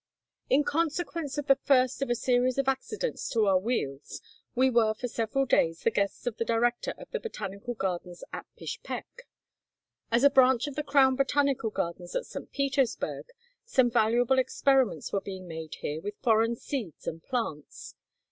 In consequence of the first of a series of accidents to our IV 119 wheels, we were for several days the guests of the director of the botanical gardens at Pishpek. As a branch of the Crown botanical gardens at St. Petersburg, some valuable experiments were being made here with foreign seeds and plants.